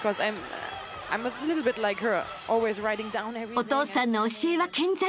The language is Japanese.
［お父さんの教えは健在］